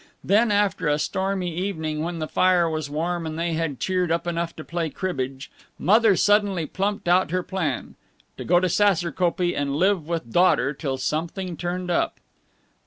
Then, after a stormy evening when the fire was warm and they had cheered up enough to play cribbage, Mother suddenly plumped out her plan to go to Saserkopee and live with daughter till something turned up.